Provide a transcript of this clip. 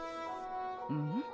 うん？